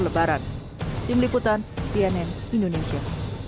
lebaran tim liputan cnn indonesia